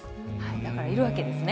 だからいるわけですね。